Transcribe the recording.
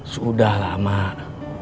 sudah lah mak